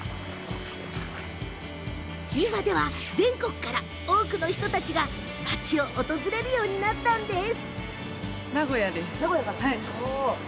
今では、全国から多くの人たちが町を訪れるようになったんです。